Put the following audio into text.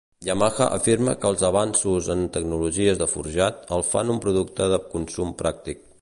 Yamaha afirma que els avanços en tecnologies de forjat el fan un producte de consum pràctic.